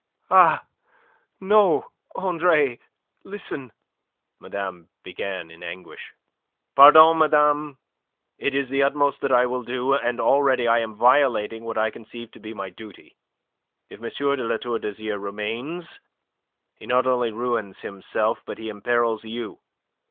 "Ah, no, Andre! Listen..." Madame began in anguish. "Pardon, madame. It is the utmost that I will do, and already I am violating what I conceive to be my duty. If M. de La Tour d'Azyr remains he not only ruins himself, but he imperils you.